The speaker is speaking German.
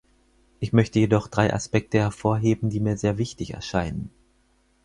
Ich möchte jedoch drei Aspekte hervorheben, die mir sehr wichtig erscheinen.